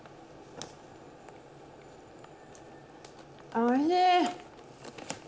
おいしい！